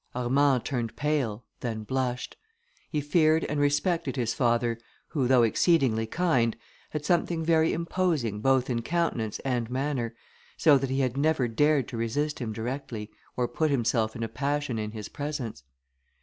Armand turned pale, then blushed; he feared and respected his father, who, though exceedingly kind, had something very imposing both in countenance and manner, so that he had never dared to resist him directly, or put himself in a passion in his presence.